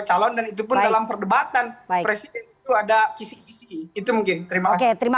calon dan itu pun dalam perdebatan presiden itu ada kisih kisi itu mungkin terima kasih terima